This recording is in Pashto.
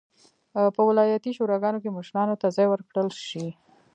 په ولایتي شوراګانو کې مشرانو ته ځای ورکړل شي.